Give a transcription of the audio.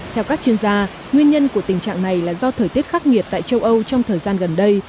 theo các chuyên gia nguyên nhân của tình trạng này là do thời tiết khắc nghiệt tại châu âu trong thời gian gần đây